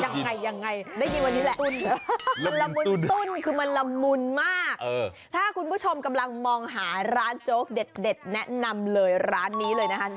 ไม่เคยได้ยินละมุนตุ้นคือมันละมุนมากถ้าคุณผู้ชมกำลังมองหาร้านโจ๊กเด็ดแนะนำเลยร้านนี้เลยนะครับ